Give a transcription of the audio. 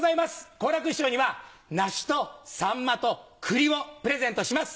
好楽師匠には梨とサンマと栗をプレゼントします。